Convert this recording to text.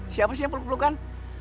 siapa sih yang peluk pelukan